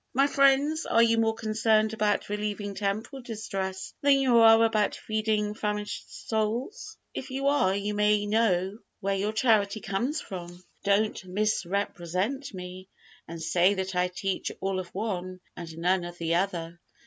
My friends, are you more concerned about relieving temporal distress than you are about feeding famished souls? If you are, you may know where your charity comes from! Don't misrepresent me, and say that I teach all of one, and none of the other.